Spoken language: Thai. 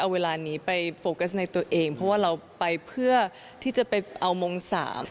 เวลานี้ไปโฟกัสในตัวเองเพราะว่าเราไปเพื่อที่จะไปเอามงสาม